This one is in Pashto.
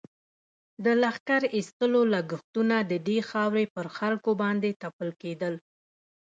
د لښکر ایستلو لږښتونه د دې خاورې پر خلکو باندې تپل کېدل.